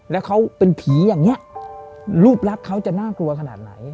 แล้วเขาเป็นผีอย่างนี้รูปลักษณ์เขาจะน่ากลัวขนาดไหน